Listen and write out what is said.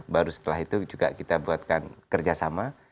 baru setelah itu juga kita buatkan kerjasama